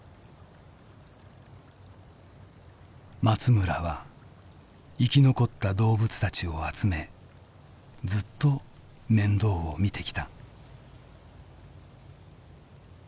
松村は生き残った動物たちを集めずっと面倒を見てきた。